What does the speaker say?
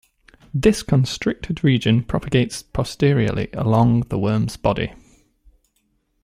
This constricted region propagates posteriorly along the worm's body.